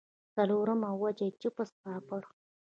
څلورمه وجه ئې چپس پاپړ